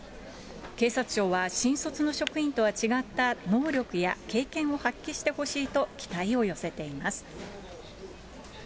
警察庁は新卒の職員とは違った能力や経験を発揮してほしいと期待を寄せています。